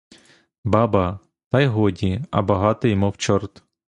Баба, та й годі, а багатий, мов чорт.